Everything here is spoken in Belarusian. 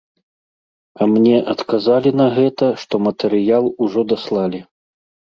А мне адказалі на гэта, што матэрыял ужо даслалі.